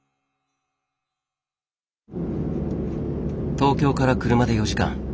東京から車で４時間。